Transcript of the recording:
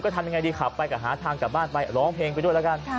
ทำยังไงดีขับไปก็หาทางกลับบ้านไปร้องเพลงไปด้วยแล้วกัน